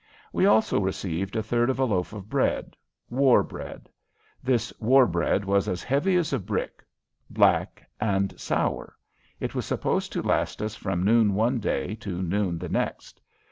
We also received a third of a loaf of bread war bread. This war bread was as heavy as a brick, black, and sour. It was supposed to last us from noon one day to noon the next.